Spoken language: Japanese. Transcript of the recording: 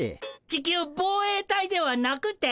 地球防衛隊ではなくて？